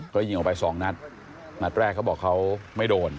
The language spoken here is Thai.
อืมก็ยิงออกไป๒นัฏนัฏแรกเขาบอกเขาไม่โดน